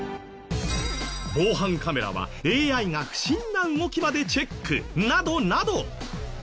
防犯カメラはＡＩが不審な動きまでチェックなどなど。